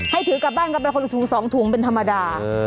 ถือกลับบ้านกันไปคนละถุง๒ถุงเป็นธรรมดา